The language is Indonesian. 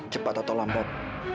cepat atau lambat